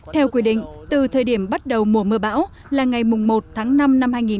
theo quy định từ thời điểm bắt đầu mùa mưa bão là ngày một tháng năm năm hai nghìn một mươi chín